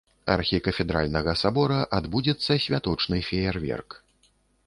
Архікафедральнага сабора адбудзецца святочны феерверк.